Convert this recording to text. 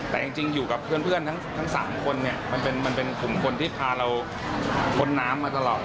แต่จริงอยู่กับเพื่อนทั้ง๓คนเนี่ยมันเป็นกลุ่มคนที่พาเราพ้นน้ำมาตลอด